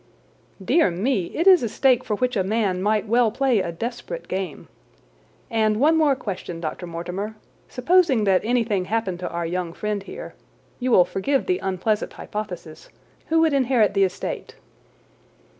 "Dear me! It is a stake for which a man might well play a desperate game. And one more question, Dr. Mortimer. Supposing that anything happened to our young friend here—you will forgive the unpleasant hypothesis!—who would inherit the estate?"